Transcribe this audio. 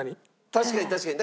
確かに確かに。